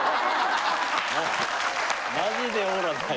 マジでオーラない。